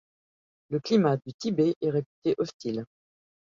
Le climat du Tibet est réputé hostile.